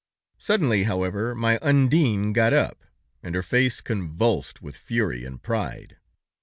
"Suddenly, however, my Undine got up, and her face convulsed with fury and pride.